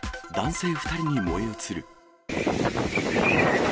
男性２人に燃え移る。